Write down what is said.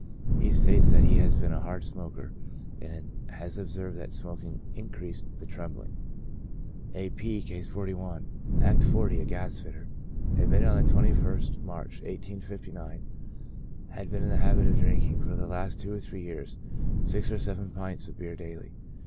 He states that he has been a hard smoker, and has observed that smoking increased the trembling. A. P —, (Case 41,) aet. 40, a gas fitter, admitted on the 21st March, 1859, ^^^ been in the habit of drinking, for the last two or three years, six or seven pints of beer daily.